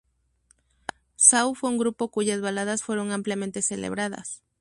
Sau fue un grupo cuyas baladas fueron ampliamente celebradas.